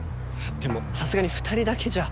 でもさすがに２人だけじゃ。